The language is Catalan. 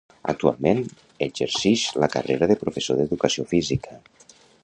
Actualment exercix la carrera de professor d'educació física.